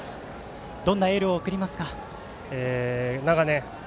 どんなエールを送ります？